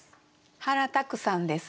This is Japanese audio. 原拓さんです。